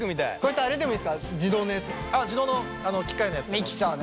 あ自動の機械のやつでも。